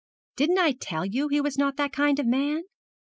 Didn't I tell you that he was not that kind of man?'